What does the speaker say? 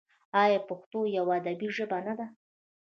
آیا پښتو یوه ادبي ژبه نه ده؟